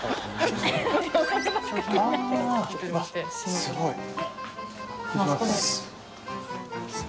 すごい！